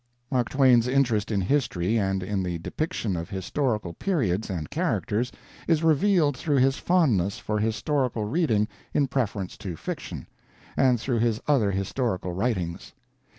Mark Twain's interest in history and in the depiction of historical periods and characters is revealed through his fondness for historical reading in preference to fiction, and through his other historical writings.